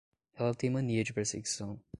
Ela tem mania de perseguição